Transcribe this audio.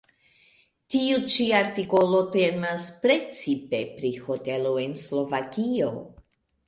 Tiu ĉi artikolo temas precipe pri hotelo en Slovakio.